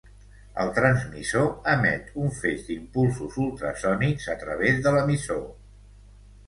El transmissor emet un feix d'impulsos ultrasònics a través de l'emissor.